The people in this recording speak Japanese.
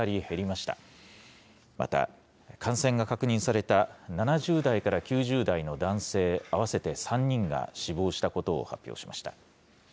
また、感染が確認された７０代から９０代の男性合わせて３人が死亡したことを発表しました。